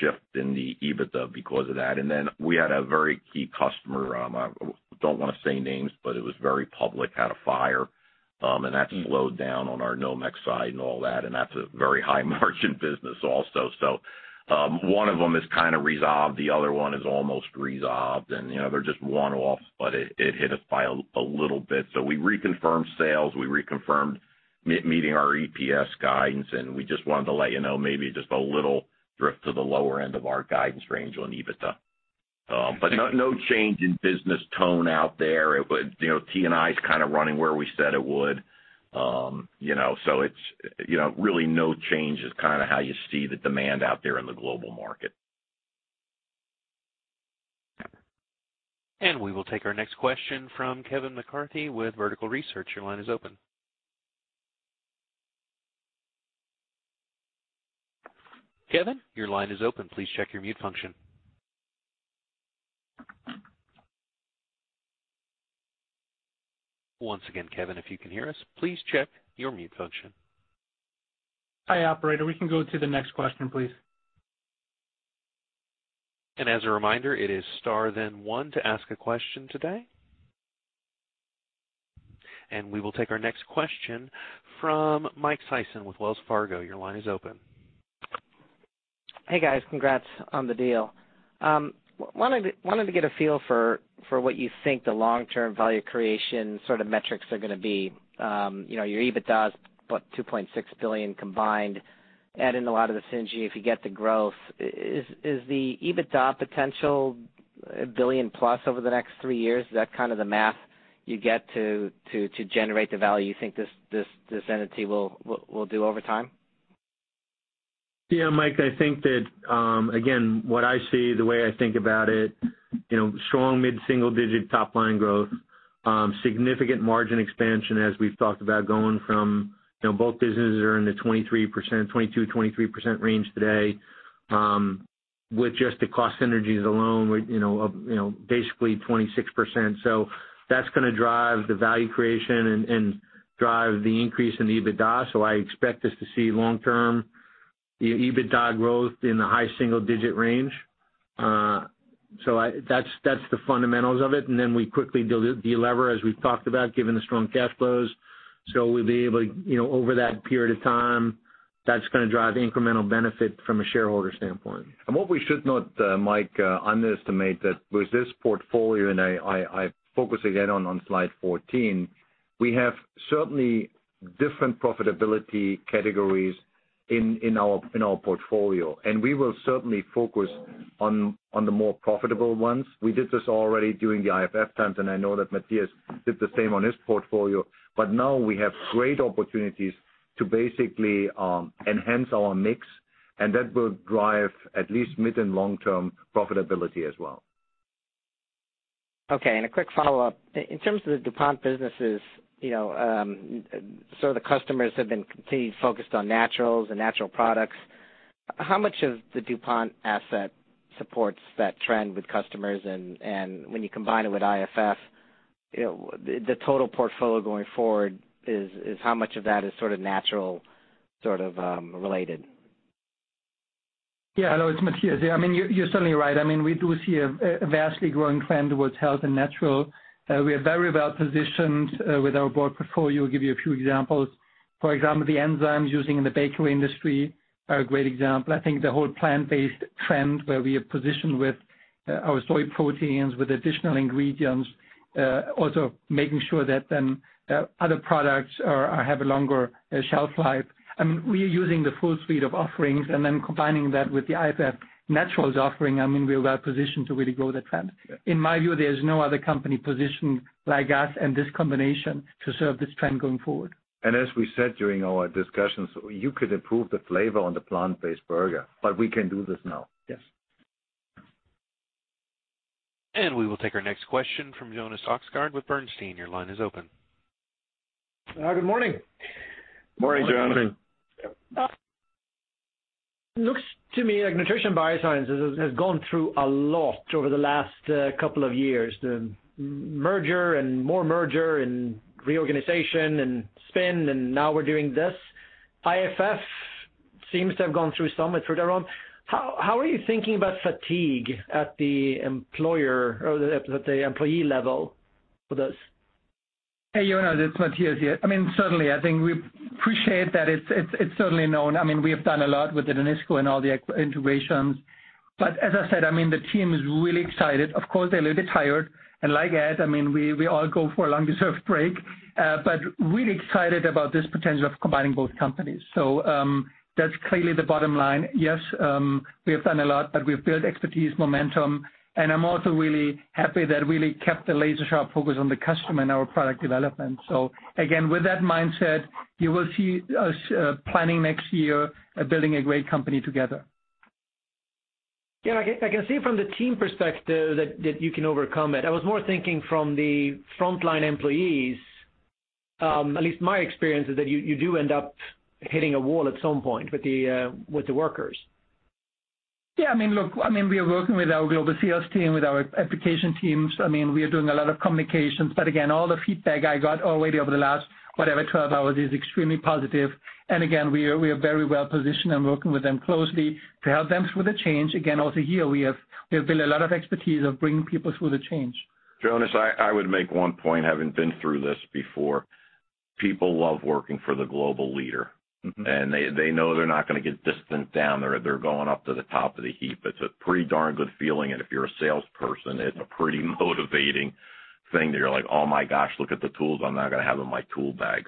[SPEAKER 4] shift in the EBITDA because of that. Then we had a very key customer, I don't want to say names, but it was very public, had a fire, and that slowed down on our Nomex side and all that, and that's a very high margin business also. One of them is kind of resolved, the other one is almost resolved, and they're just one-off, but it hit us by a little bit. We reconfirmed sales, we reconfirmed meeting our EPS guidance, and we just wanted to let you know, maybe just a little drift to the lower end of our guidance range on EBITDA. No change in business tone out there. T&I is kind of running where we said it would. Really no change is kind of how you see the demand out there in the global market.
[SPEAKER 1] We will take our next question from Kevin McCarthy with Vertical Research. Your line is open. Kevin, your line is open. Please check your mute function. Once again, Kevin, if you can hear us, please check your mute function.
[SPEAKER 2] Hi, operator, we can go to the next question, please.
[SPEAKER 1] As a reminder, it is star then one to ask a question today. We will take our next question from Michael Sison with Wells Fargo. Your line is open.
[SPEAKER 16] Hey, guys. Congrats on the deal. Wanted to get a feel for what you think the long-term value creation sort of metrics are going to be. Your EBITDA's, what, $2.6 billion combined, add in a lot of the synergy if you get the growth. Is the EBITDA potential $1 billion plus over the next three years? Is that kind of the math you get to generate the value you think this entity will do over time?
[SPEAKER 6] Yeah, Mike, I think that, again, what I see, the way I think about it, strong mid-single digit top line growth, significant margin expansion as we've talked about going from both businesses are in the 22%-23% range today, with just the cost synergies alone, basically 26%. That's going to drive the value creation and drive the increase in the EBITDA. I expect us to see long-term EBITDA growth in the high single-digit range. That's the fundamentals of it. We quickly de-lever, as we've talked about, given the strong cash flows. We'll be able, over that period of time, that's going to drive incremental benefit from a shareholder standpoint.
[SPEAKER 3] What we should not, Mike, underestimate that with this portfolio, and I focus again on slide 14, we have certainly different profitability categories in our portfolio, and we will certainly focus on the more profitable ones. We did this already during the IFF times, and I know that Matthias did the same on his portfolio. Now we have great opportunities to basically enhance our mix, and that will drive at least mid and long-term profitability as well.
[SPEAKER 16] A quick follow-up. In terms of the DuPont businesses, the customers have been completely focused on naturals and natural products. How much of the DuPont asset supports that trend with customers? When you combine it with IFF, the total portfolio going forward is, how much of that is sort of natural sort of related?
[SPEAKER 5] Yeah. Hello, it's Matthias here. You're certainly right. We do see a vastly growing trend towards health and natural. We are very well-positioned with our broad portfolio. Give you a few examples. For example, the enzymes using in the bakery industry are a great example. I think the whole plant-based trend where we are positioned with our soy proteins, with additional ingredients, also making sure that then other products have a longer shelf life. We are using the full suite of offerings and then combining that with the IFF Naturals offering, we are well positioned to really grow the trend. In my view, there's no other company positioned like us and this combination to serve this trend going forward.
[SPEAKER 3] As we said during our discussions, you could improve the flavor on the plant-based burger, but we can do this now.
[SPEAKER 5] Yes.
[SPEAKER 1] We will take our next question from Jonas Oxgaard with Bernstein. Your line is open.
[SPEAKER 17] Good morning.
[SPEAKER 3] Morning, Jonas.
[SPEAKER 17] Looks to me like Nutrition & Biosciences has gone through a lot over the last couple of years. The merger and more merger and reorganization and spin, and now we're doing this. IFF seems to have gone through some of it on their own. How are you thinking about fatigue at the employee level for this?
[SPEAKER 5] Hey, Jonas, it's Matthias here. Certainly, I think we appreciate that it's certainly known. We have done a lot with the Danisco and all the integrations. As I said, the team is really excited. Of course, they're a little bit tired and like Ed, we all go for a long-deserved break, but really excited about this potential of combining both companies. That's clearly the bottom line. Yes, we have done a lot, but we've built expertise, momentum, and I'm also really happy that really kept the laser sharp focus on the customer and our product development. Again, with that mindset, you will see us planning next year, building a great company together.
[SPEAKER 17] Yeah, I can see from the team perspective that you can overcome it. I was more thinking from the frontline employees, at least my experience is that you do end up hitting a wall at some point with the workers.
[SPEAKER 5] Look, we are working with our global sales team, with our application teams. We are doing a lot of communications, but again, all the feedback I got already over the last, whatever, 12 hours is extremely positive. Again, we are very well-positioned and working with them closely to help them through the change. Also here, we have built a lot of expertise of bringing people through the change.
[SPEAKER 4] Jonas, I would make one point, having been through this before, people love working for the global leader. They know they're not going to get distant down. They're going up to the top of the heap. It's a pretty darn good feeling, and if you're a salesperson, it's a pretty motivating thing that you're like, "Oh my gosh, look at the tools I'm now going to have in my tool bag."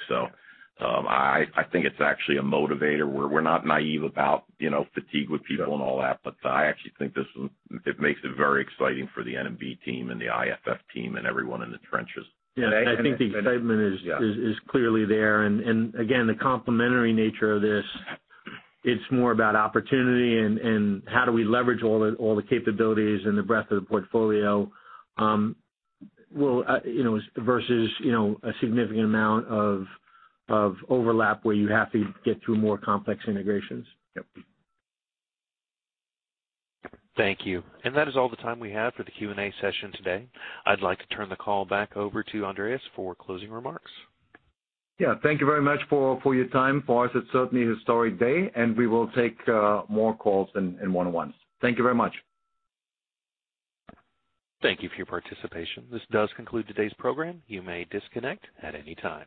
[SPEAKER 4] I think it's actually a motivator. We're not naive about fatigue with people and all that, but I actually think it makes it very exciting for the N&B team and the IFF team and everyone in the trenches.
[SPEAKER 6] Yeah, I think the excitement is clearly there. Again, the complementary nature of this, it's more about opportunity and how do we leverage all the capabilities and the breadth of the portfolio versus a significant amount of overlap where you have to get through more complex integrations.
[SPEAKER 4] Yep.
[SPEAKER 1] Thank you. That is all the time we have for the Q&A session today. I'd like to turn the call back over to Andreas for closing remarks.
[SPEAKER 3] Yeah. Thank you very much for your time. For us, it's certainly a historic day. We will take more calls in one-on-ones. Thank you very much.
[SPEAKER 1] Thank you for your participation. This does conclude today's program. You may disconnect at any time.